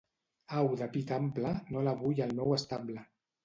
Au de pit ample no la vull al meu estable.